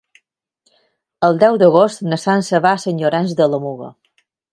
El deu d'agost na Sança va a Sant Llorenç de la Muga.